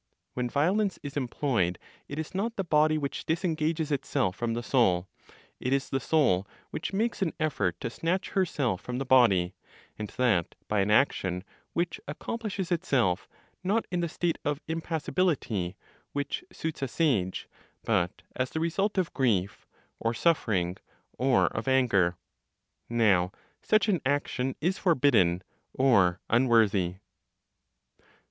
When violence is employed, it is not the body which disengages itself from the soul, it is the soul which makes an effort to snatch herself from the body, and that by an action which accomplishes itself not in the state of impassibility (which suits a sage), but as the result of grief, or suffering, or of anger. Now such an action is forbidden, or unworthy.